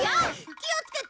気をつけて！